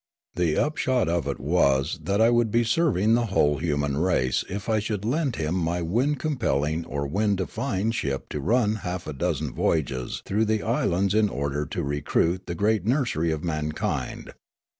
The upshot of it was that I would be serving the whole human race if I should lend him my wind compelling or wind defying ship to run half a dozen voyages through the islands in order to recruit the great nurser} of mankind.